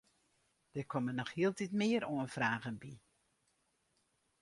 Der komme noch hieltyd mear oanfragen by.